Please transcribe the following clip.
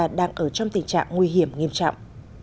đang ở trong tình trạng nguy hiểm nghiêm trọng